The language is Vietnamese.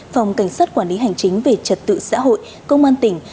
phòng cảnh sát quản lý hành chính về trật tự xã hội công an tỉnh